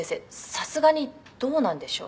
さすがにどうなんでしょう？」